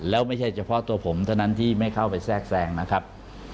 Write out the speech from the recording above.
แล้วไม่ใช่เฉพาะตัวผมเท่านั้นที่ไม่เข้าไปแทรกแทรงนะครับ